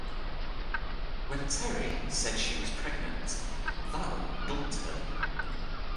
When Terri said she was pregnant, Val dumped her.